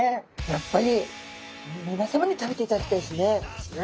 やっぱりみなさまに食べていただきたいですね。